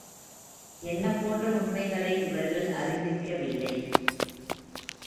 என்ன போன்ற உண்மைகளை இவர்கள் அறிந்திருக்கவில்லை.